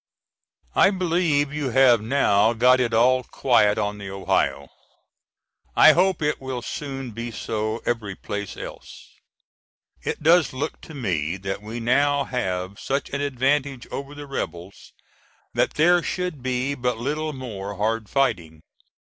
I believe you have now got it all quiet on the Ohio. I hope it will soon be so every place else. It does look to me that we now have such an advantage over the rebels that there should be but little more hard fighting.